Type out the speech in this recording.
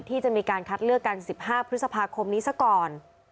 ที่จะมีการคัดเลือกกัน๑๕พฤษภาคมนี้ซะก่อน